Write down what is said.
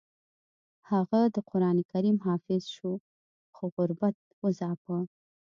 هغه د قران کریم حافظ شو خو غربت وځاپه